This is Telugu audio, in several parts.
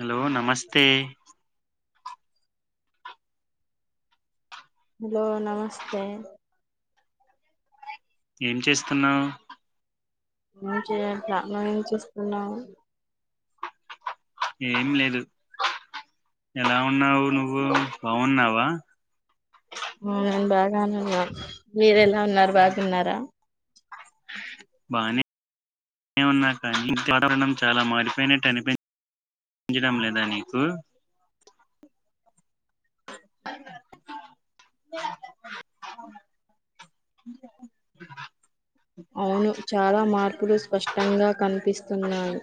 హలో నమస్తే హలో నమస్తే ఏం చేస్తున్నావు ఏం చేయట్లా నువ్ ఏం చేస్తున్నాం ఏం లేదు ఎలా ఉన్నావు నువ్వు బాగున్నావా ఆ నేను బాగానే ఉన్నా మీర ఎలా ఉన్నారు బాగున్నారా బానే ఏమున్నా కానీ ఇంటి వాతవరణం చాలా మారిపోయినట్టు అనిపిం పించడం లేదా నీకు అవును చాలా మార్పులు స్పష్టంగా కనిపిస్తున్నాయి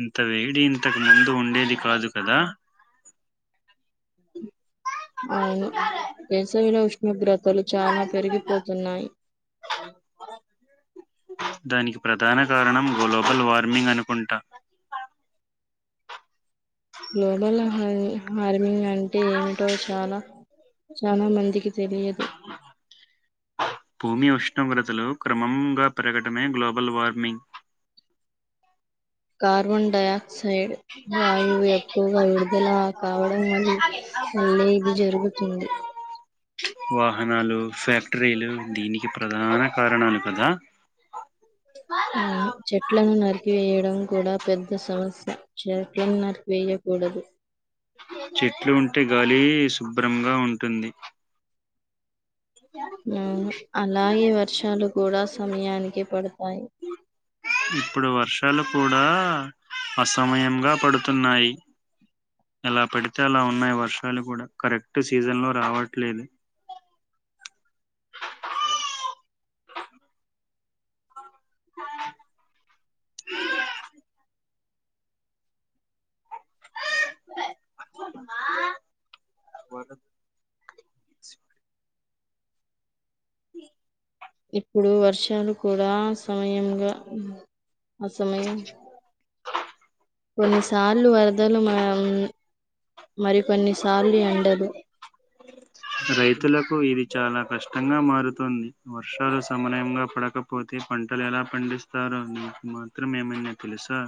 ఇంత వేడి ఇంతకు ముందు ఉండేది కాదు కదా అవును వేసవిలో ఉష్ణోగ్రతలు చాలా పెరిగిపోతున్నాయి అ దానికి ప్రధాన కారణం గొ లోబల్ వార్మింగ్ అనుకుంటా గ్లోబల్ హార్ హార్మింగ్ అంటే ఏమిటో చాలా చాలా మందికి తెలియదు భూమి ఉష్ణోగ్రతలు క్రమంగా పెరగటమే గ్లోబల్ వార్మింగ్ కార్బన్ డైఆక్సైడ్ వాయువు ఎక్కువగా విడుదల కావడం వల వల్లే ఇది జరుగుతుంది వాహనాలు ఫ్యాక్టరీలు దీనికి ప్రధాన కారణాలు కదా ఆ ఆ చెట్లను నరికివేయడం కూడ పెద్ద సమస్ చెట్లను నరికేయ్యకూడదు చెట్లు ఉంటే గాలి శుభ్రంగా ఉంటుంది అలాగే వర్షాలు కూడ సమయానికి పడుత ఇప్పుడు వర్షాలు కూ డా అసమయంగా పడుతున్నాయి ఎలా పడితే అలా ఉన్నాయి వర్షాలు కూడ కరెక్ట్ సీజన్లో రావట్లేదు ఆ మీ ఇప్పుడు వర్షాలు కూడ సమయంగా ఆసమయం కొన్ని సార్లు వరదలు [unintelligible] మరి కొన్నిసార్లు ఎండలు రైతులకు ఇది చాలా కష్టంగా మారుతుంది వర్షాలు సమనయంగా పడకపోతే పంటలు ఎలా పండిస్తారు అని మాత్రం ఏమన తెలుసా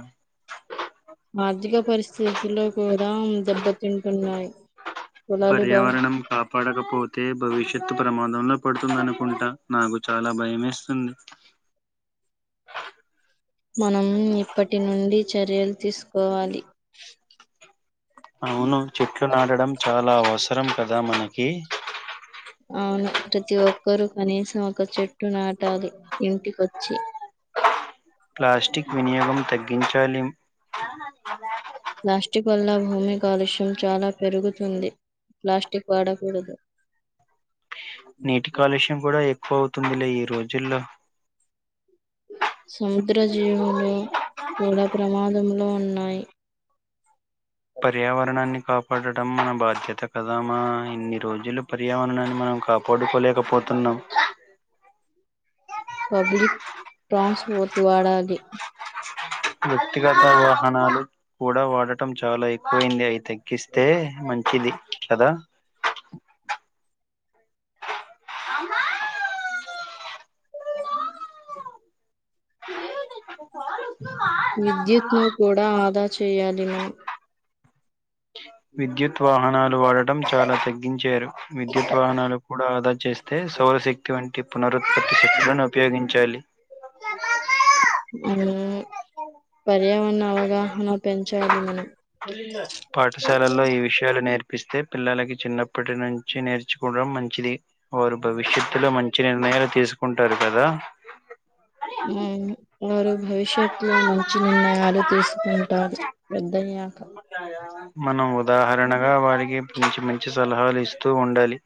ఆర్థిక పరిస్థితులు కూడ దెబ్బతింటున్నాయి పొలాలు బా పర్యావరణం కాపాడకపో తే భవిష్యత్తు ప్రమాదంలో పడుతుంది అనుకుంట నాకు చాలా భయంమేస్తుంది మనం ఇప్పటి నుండి చర్యలు తీసుకోవాలి అవును చెట్లు నాడడం చాల అవసరం కదా మనకి అవును ప్రతి ఒక్కరు కనీసం ఒక చెట్టు నాటాలి ఇంటికొచ్చి ప్లాస్టిక్ వినియోగం తగ్గించాలి ప్లాస్టిక్ వల్ల భూమి కాలుష్యం చాలా పెరుగుతుంది ప్లాస్టిక్ వాడకూడదు నీటి కాలుష్యం కూడా ఎక్కువ అవుతుందిలే ఈ రోజుల్లో సముద్ర జీవులు కూడా ప్రమాదంలో ఉన్నాయి పర్యావరణాన్ని కాపాడటం మన బాధ్యత కదా మా ఇన్ని రోజులు పర్యావరణాన్ని మనం ఇంకా పడుకోలేకపోతున్నాం పబ్లిక్ ట్రాన్స్పోర్ట్ వాడాలి వ్యక్తిగత వాహనాలు కూడ వాడటం చాల ఎక్కువైంది అయితాయ్ కిస్తే మంచిది కదా అమ్మ విద్యుత్ ను కూడ ఆదా చేయాలి మనం విద్యుత్ వాహనాలు వాడటం చాల తగ్గించారు విద్యుత్ వాహనాలు కూడాఆదా చేస్తే సౌరశక్తి వంటి పునరుత్పత్తి శక్తులను ఉపయోగించాలి ఆ పర్యావరణ అవగాహన పెంచాలి మనం పాఠశాలల్లో ఈ విషయాలు నేర్పిస్తే పిల్లకి చిన్నప్పటి నుంచి నేర్చుకోవడం మంచిది వారు భవిష్యత్తులో మంచి నిర్ణయాలు తీసుకుంటారు కదా అవును వారు భవి ష్యత్తులో మంచి నిర్ణయాలు తీసుకుంటారు పెద్దయ మనం ఉదాహరణగా వారి కి మంచి మంచి సలహాలు ఇస్తూ ఉండాలి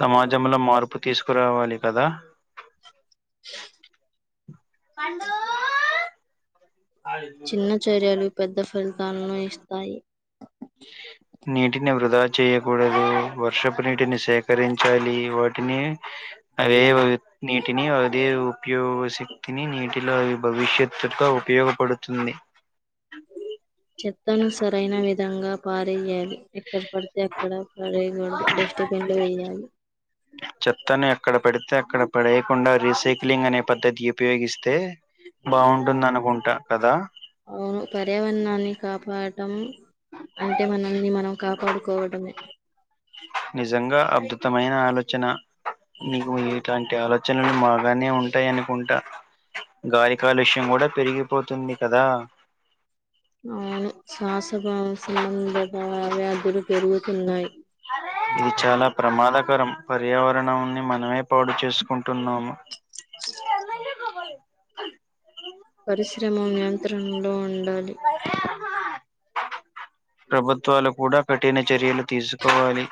సమాజంలో మార్పు తీసు కురావాలి కదా చిన్న చర్యలు పెద్ద ఫలితాలను ఇస్తాయి నీటిని వృధా చెయకూడదు వర్షపు నీటిని సేకరించాలి వాటిని అదే [unintelligible] నీ టిని అదే ఉపయోగశక్తిని నీటిలో అవి భవిష్యత్తుగా ఉపయోగపడుతుంది అకే చెత్తను సరైన విధంగా పారేయ్య లి ఎక్కడ పడితే అక్కడ పాడయ్యకూడదు డస్ట్బిన్లో వేయాలి చెత్తని ఎక్కడ పడితే అక్కడ పడేయకుండా రీసైక్లింగ్ అనే పద్ధతి యుపయోగిస్తే అవును పర్యావణాన్ని కాపాడటం అంటే మనల్ని మనం కాపాడుకోవటమే నిజంగా అద్భుతమైన ఆలోచన నీకు ఇట్లాంటి ఆలో చనలు బాగానే ఉంటాయి అనుకుంటా గాలి కాలుష్యం కూడా పెరిగిపోతుంది కదా ప్రభావ సంబంధ వా వ్యాధులు పెరుగుతున్నాయి ఇది చాలా ప్రమాదకరం పర్యావరణంన్ని మనమే పాడు చేసుకుంటున్నాము పరిశ్రమ నియంత్రణలో ఉండాలి ప్రభుత్వాలు కూడా కఠిన చర్యలు తీసుకోవాలి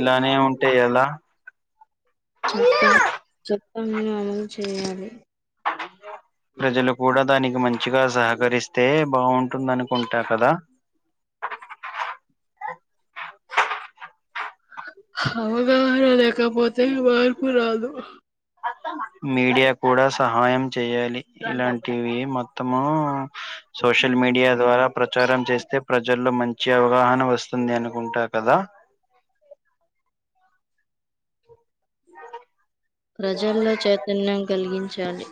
ఇలానే ఉంటే ఎలా స్ట్రిక్టు్ చట్టాన్ని అమలు చేయాలి ప్రజలు కూడా దానికి మం చ్చిగా సహకరిస్తే బాగుంటుందనుకుంటా కదా అ అవగాహన లేకపోతే మార్పు రాదు మీడియా కూడా సహాయం చేయాలి ఇలాంటివి మొత్తము సోషల్ మీడియా ద్వారా ప్రచారం చేస్తే ప్రజల్లో మంచి అవగాహన వస్తుంది అను ఉంటా కదా ప్రజల్లో చైతన్యం కలిగించాలి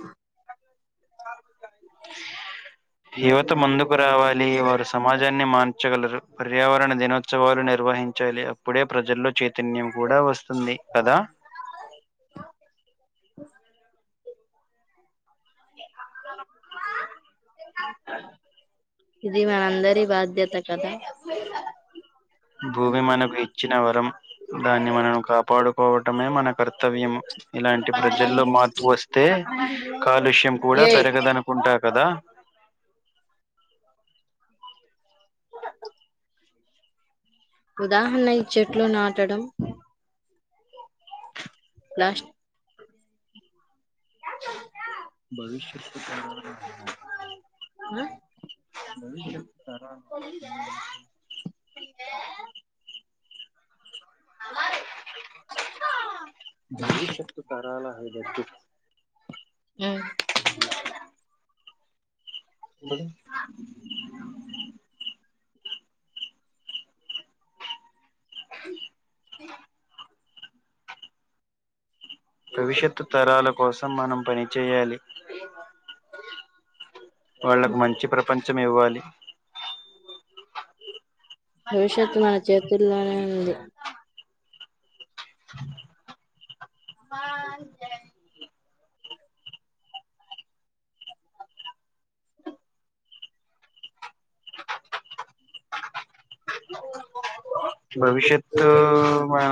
యువత ముందుకు రావాలి వారు సమాజా ని మాన్చగలరు పర్యావరణ దినోచ్చవాలు నిర్వహించాలి అప్పుడే ప్రజల్లో చే తన్యం కూడా వస్తుంది కదా ఇది మనందరి బాధ్యత కదా భూమి మనకు ఇచ్చిన వరం దాన్ని మనను కాపాడు కోవటమే మన కర్తవ్యము ఇలాంటి ప్రజల్లో మార్పు వస్తే కాలుష్యం కూడా లేదనుకుంటా కదా వా ఉదాహరణ ఇ చెట్లు నాటడం ప్లాస్ భవిష్యత్తు ప్రణాళిక ప్లాస్టిక్ [inaudible] భవిష్యత్తు తరాల హ దగదు ఆ ఇ స భవిష్యత్తు తరాల కోసం మనం పనిచేయాలి వాళ్ళకు మంచి ప్రపంచం ఇవ్వాలి భవిష్యత్తు మన చేతుల్లోనే ఉంది ఉ అమ్మా జయ భవిష్యత్ మన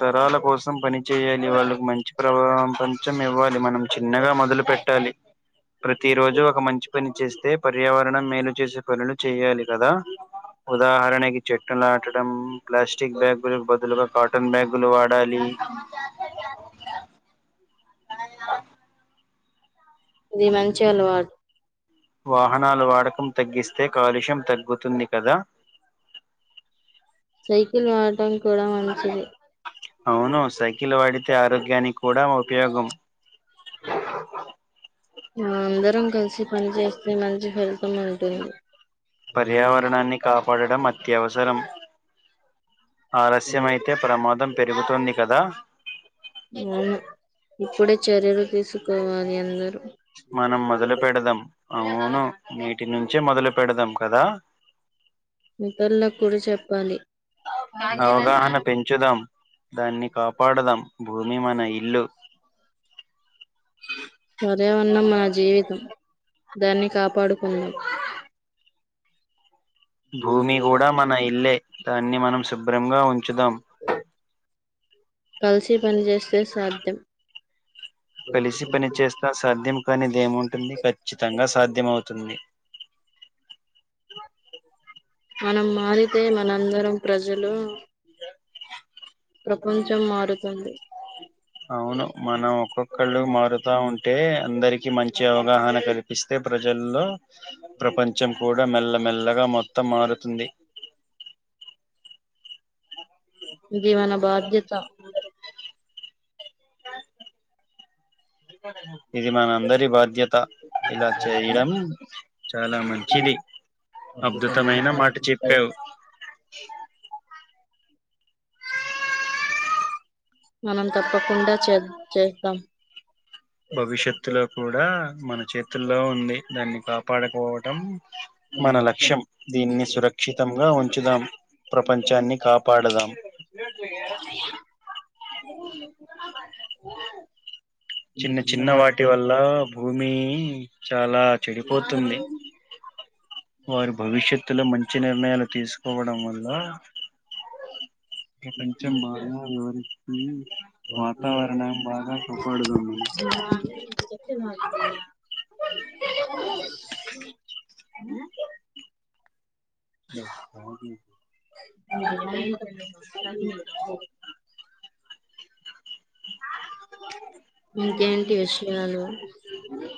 తరాల కోసం పని చేయాలి వాళ్ళకు మంచి ప్రపంచం ఇవ్వాలి మనం చిన్నగా మొదలు పెట్టాలి ప్రతి రోజు ఒక మంచి పని చేస్తే పర్యావరణం మేలు చేసే పనులు చేయాలి కదా ఉదాహరణకి టడం ప్లాస్టిక్ బ్యాగు్లు బదులుగా కాటన్ బ్యాగ్లు వాడాలి అమ్మ జస్త జ ఇది మంచి అలవాటు వాహనాలు వాడకం తగ్గిస్తే కాలుష్యం తగ్గుతుంది కదా సైకిల్ వాడటం కూడా మంచిది అవును సైకిల్ వాడితే ఆరోగ్యానికి కూడా ఉపయోగం ఆ అందరం కలిసి పని చేస్తే మంచి ఫలితం ఉంటుంది పర్యావరణాన్ని కాపాడడం అత్యవసరం ఆలస్యమయితే ప్రమాదం పెరుగుతుంది కదా అవును ఇప్పుడే చర్యలు తీసుకోవాలి అందరూ మనం మొదలు పెడదాం అవును నీ ఇటి నుంచే మొదలు పెడదాం కదా ఇతరులకు కూడా చెప్పాలి అవగాహన పెంచుదాం దాన్ని కాపాడదాం భూమి మన ఇల్లు పర్యావరణం మన జీవితం దాన్ని కాపాడుకుందాం భూమి కూడా మన ఇల్లే దాన్ని మనం శుభ్రంగా ఉంచుదాం కలిసి పని చేేస్తే సాధ్యం కలిసి పని చేస్తా సాధ్యం కానిదేముంటుంది ఖచ్చితంగా సాధ్యం అవుతుంది మనం మారితే మనందరం ప్రజలు ఇకా ప్రపంచం మారుతుంది అవును మనం ఒక్కొక్కళ్ళు మారుతా ఉంటు అంతే అందరికి మంచి అవగాహన కల్పిస్తే ప్రజల్లో ప్రపంచం కూడా మెల్ల మెల్లగా మొత్తం మారుతుంది ఏది మన బాధ్యత ఇది మన అందరి బాధ్యత త్త ఇలా చేయడం చాలా మంచిది అద్భుతమైన మాట చెప్పావు మనం తప్పకుండా చే చేద్దాం భవిష్యత్తులో కూడా మన చేతుల్లో ఉంది దాన్ని కాపాడుకోవటం మన లక్ష్యం దీన్ని సురక్షితంగా ఉంచుదాం ప్రపంచాన్ని కాపాడదాం చిన్న చిన్న వాటి వల్ల భూమి చాలా చెడిపోతుంది వారి భవిష్యత్తులో మంచి నిర్ణయాలు తీసుకోవడం వల్ల ప్రపంచ బారం వివరికి వాతావరణం బాగా సప్పడుద అ అ ఇంకేంటి విషయాలు